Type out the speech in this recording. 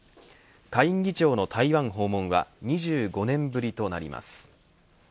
下院議長の台湾訪問は２５年ぶりとなります。